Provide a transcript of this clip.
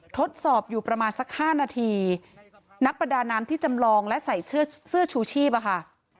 ทดสอบอยู่ประมาณสัก๕นาทีนักประดาน้ำที่จำลองและใส่เสื้อชูชีพอะค่ะ